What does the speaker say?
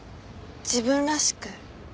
自分らしく。